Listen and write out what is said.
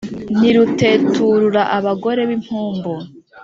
Ni ruteturura abagore b'impumbu,